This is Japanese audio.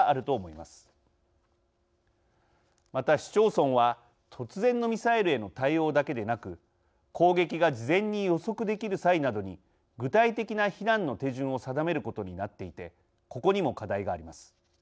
また市町村は突然のミサイルへの対応だけでなく攻撃が事前に予測できる際などに具体的な避難の手順を定めることになっていてここにも課題があります。